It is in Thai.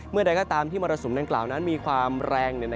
ใดก็ตามที่มรสุมดังกล่าวนั้นมีความแรง